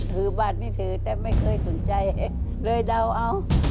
ถือบาทไม่ถือแต่ไม่เคยสนใจเลยเดาเอา